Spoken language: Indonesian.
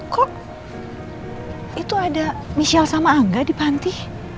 kok itu ada michelle sama angga di panti